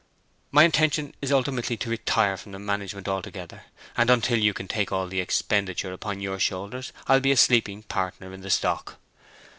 My intention is ultimately to retire from the management altogether, and until you can take all the expenditure upon your shoulders, I'll be a sleeping partner in the stock.